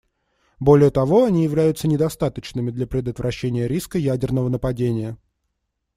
Более того, они являются недостаточными для предотвращения риска ядерного нападения.